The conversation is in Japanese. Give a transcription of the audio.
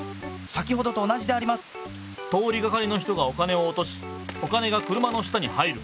通りがかりの人がお金をおとしお金が車の下に入る。